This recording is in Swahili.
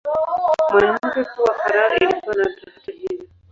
Mwanamke kuwa farao ilikuwa nadra, hata hivyo.